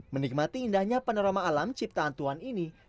menikmati indahnya panorama alam ciptaan tuan ini